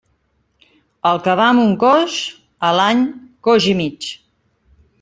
El que va amb un coix, a l'any coix i mig.